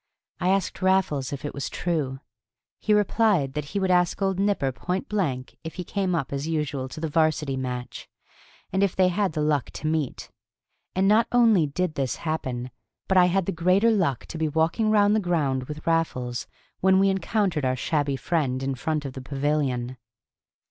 I asked Raffles if it was true. He replied that he would ask old Nipper point blank if he came up as usual to the Varsity match, and if they had the luck to meet. And not only did this happen, but I had the greater luck to be walking round the ground with Raffles when we encountered our shabby friend in front of the pavilion.